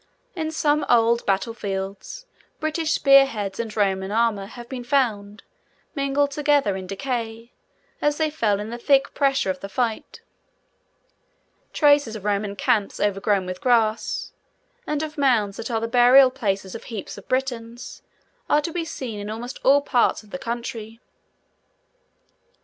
In some old battle fields, British spear heads and Roman armour have been found, mingled together in decay, as they fell in the thick pressure of the fight. Traces of Roman camps overgrown with grass, and of mounds that are the burial places of heaps of Britons, are to be seen in almost all parts of the country.